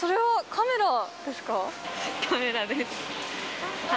カメラです。